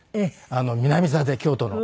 南座で京都の。